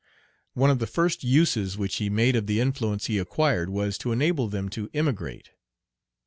One of the first uses which he made of the influence he acquired was to enable them to emigrate.